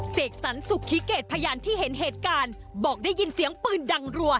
เสกสรรสุขิเกตพยานที่เห็นเหตุการณ์บอกได้ยินเสียงปืนดังรัว